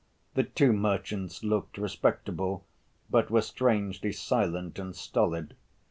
The two merchants looked respectable, but were strangely silent and stolid.